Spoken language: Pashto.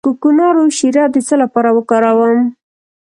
د کوکنارو شیره د څه لپاره وکاروم؟